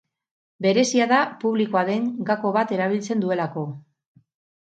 Berezia da publikoa den gako bat erabiltzen duelako.